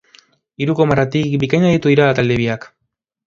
Hiruko marratik bikain aritu dira talde biak.